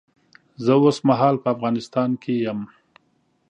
زه اوس مهال په افغانستان کې یم